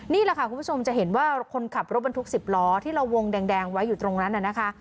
นี่แหละค่ะคุณผู้ชมจะเห็นว่าคนขับรถบรรทุก๑๐ล้อที่เราวงแดงไว้อยู่ตรงนั้นน่ะนะคะ